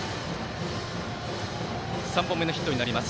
３本目のヒットになります。